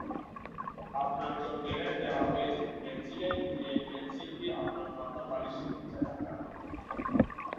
আপনার চোখ গেলে দেওয়া হয়েছে পেনসিলে-যে পেনসিলটি আপনার মাথার বালিশের নিচে রাখা।